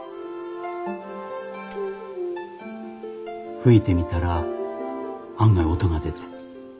吹いてみたら案外音が出て。